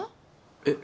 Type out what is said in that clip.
えっ